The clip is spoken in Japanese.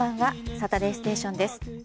「サタデーステーション」です。